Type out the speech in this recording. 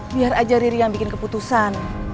biar aja riri yang bikin keputusan